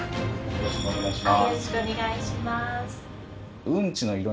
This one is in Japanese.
よろしくお願いします。